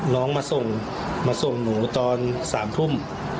น้องมาส่งหนูตอน๓ทุ่ม